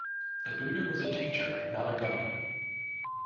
The Buddha was a teacher, not a god.